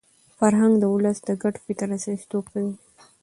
فرهنګ د ولس د ګډ فکر استازیتوب کوي.